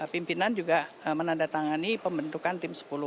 pimpinan juga menandatangani pembentukan tim sepuluh